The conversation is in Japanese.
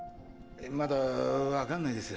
まだ分かんないです。